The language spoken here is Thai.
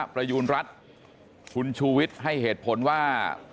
ประยูณรัฐคุณชูวิทย์ให้เหตุผลว่า